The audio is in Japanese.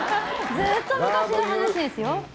ずっと昔の話ですよ。